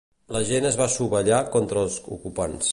La gent es va sollevar contra els ocupants.